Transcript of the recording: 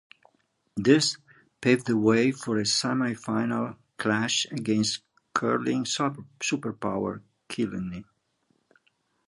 This paved the way for a Semi-Final clash against hurling superpowers Kilkenny.